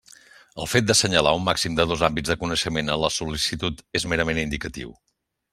El fet d'assenyalar un màxim de dos àmbits de coneixement a la sol·licitud és merament indicatiu.